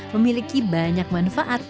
memiliki banyak manfaat